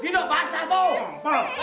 gino basah tuh